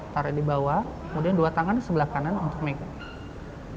taruh di bawah kemudian dua tangan di sebelah kanan untuk mega